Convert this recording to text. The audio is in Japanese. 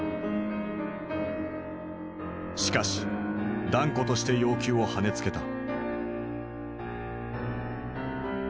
しかし断固として要求をはねつけた。